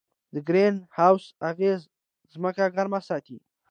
د ګرین هاوس اغېز ځمکه ګرمه ساتي.